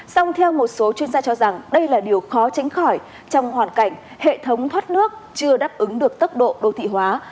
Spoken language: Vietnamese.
song theo một số chuyên gia cho rằng đây là điều khó tránh khỏi trong hoàn cảnh hệ thống thoát nước chưa đáp ứng được tốc độ đô thị hóa